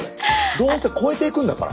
どうせ超えていくんだから。